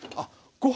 ご飯